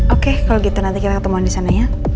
oke kalau gitu nanti kita ketemuan disana ya